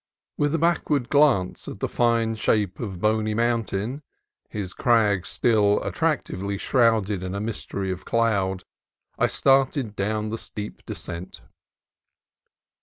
With a backward glance at the fine shape of Boney Mountain, his crags still attractively shrouded in a mystery of cloud, I started down the steep descent.